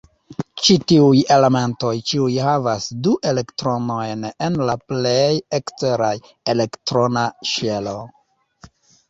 Ĉi-tiuj elementoj ĉiuj havas du elektronojn en la plej ekstera elektrona ŝelo.